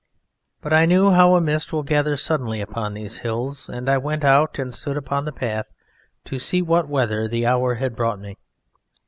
But I knew how a mist will gather suddenly upon these hills, and I went out and stood upon the path to see what weather the hour had brought me.